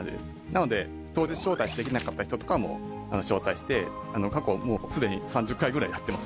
なので当日招待できなかった人とかも招待して過去もうすでに３０回ぐらいやってます。